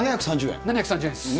７３０円です。